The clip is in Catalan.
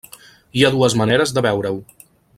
Hi ha dues maneres de veure-ho.